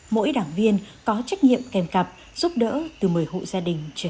mỗi đảng viên có trách nhiệm kèm cặp giúp đỡ từ một mươi hộ gia đình trở lên